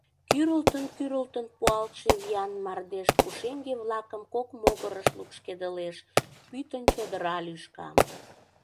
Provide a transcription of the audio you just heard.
Кӱрылтын-кӱрылтын пуалше виян мардеж пушеҥге-влакым кок могырыш лупшкедылеш, пӱтынь чодыра лӱшка.